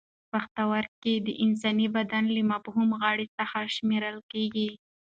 پښتورګي د انساني بدن له مهمو غړو څخه شمېرل کېږي.